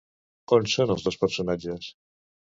On són els dos personatges?